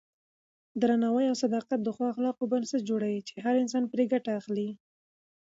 درناوی او صداقت د ښو اخلاقو بنسټ جوړوي چې هر انسان پرې ګټه اخلي.